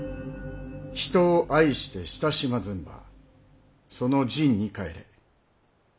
「人を愛して親しまずんば其の仁に反れ。